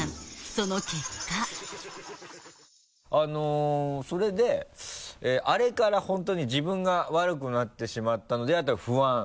その結果それで「あれから本当に自分が悪くなってしまったのではと不安」